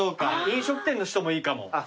飲食店の人もいいかも。